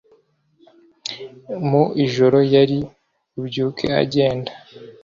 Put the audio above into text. mu ijoro yari bubyuke agenda,